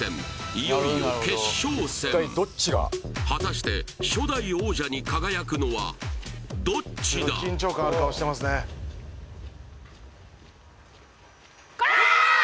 いよいよ決勝戦果たして初代王者に輝くのはどっちだコラーッ！